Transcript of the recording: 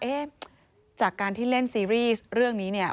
จากการที่เล่นซีรีส์เรื่องนี้เนี่ย